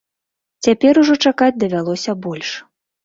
Цяпер ужо чакаць давялося больш.